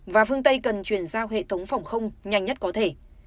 và phương tây cần chuyển giao hệ thống phòng không nhanh nhất có thể